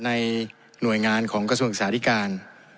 ในหน่วยงานของกระทรวงศึกษาธิการ